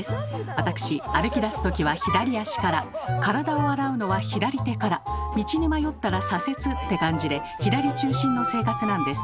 私歩きだすときは左足から体を洗うのは左手から道に迷ったら左折って感じで左中心の生活なんです。